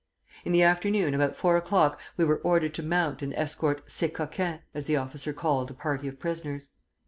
In the afternoon about four o'clock we were ordered to mount and to escort 'ces coquins,' as the officer called a party of prisoners.